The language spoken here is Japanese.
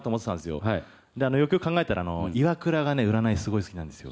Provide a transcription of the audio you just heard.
よくよく考えたら、イワクラがね、占い、すごい好きなんですよ。